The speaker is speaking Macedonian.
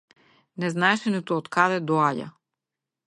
Не знаеше ниту од каде доаѓа.